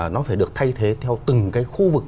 nó phải được thay thế theo từng cái khu vực